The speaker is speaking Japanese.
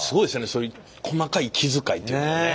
そういう細かい気遣いというかね。